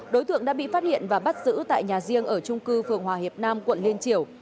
đối tượng đã bị phát hiện và bắt giữ tại nhà riêng ở trung cư phường hòa hiệp nam quận liên triều